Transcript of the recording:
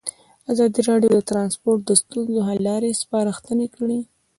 ازادي راډیو د ترانسپورټ د ستونزو حل لارې سپارښتنې کړي.